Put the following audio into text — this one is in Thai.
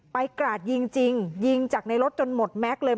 กราดยิงจริงยิงจากในรถจนหมดแม็กซ์เลย